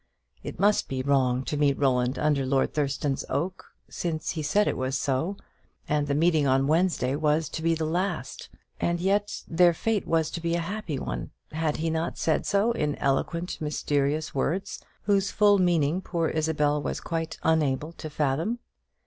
It must be wrong to meet Roland under Lord Thurston's oak, since he said it was so; and the meeting on Wednesday was to be the last; and yet their fate was to be a happy one; had he not said so, in eloquently mysterious words, whose full meaning poor Isabel was quite unable to fathom?